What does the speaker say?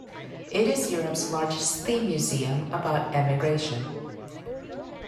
It is Europe's largest theme museum about emigration.